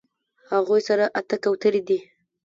هغوی سره اتۀ کوترې دي